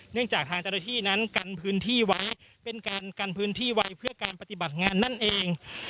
จากทางเจ้าหน้าที่นั้นกันพื้นที่ไว้เป็นการกันพื้นที่ไว้เพื่อการปฏิบัติงานนั่นเอง